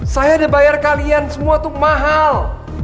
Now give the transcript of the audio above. saya udah bayar kalian semua tuh mahal